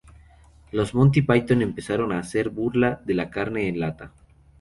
Los Monty Python empezaron a hacer burla de la carne en lata.